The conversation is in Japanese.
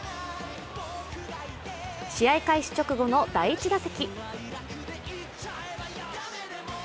試合開始直後の第１打席。